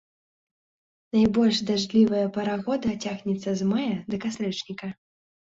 Найбольш дажджлівая пара года цягнецца з мая да кастрычніка.